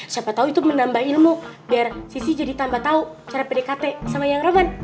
siapa tau itu menambah ilmu biar sissy jadi tambah tau cara pdkt sama yayang roman